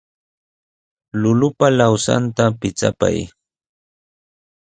Llullupa lawsanta pichapay.